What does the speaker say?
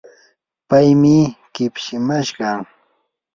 paymi kipshimashqa.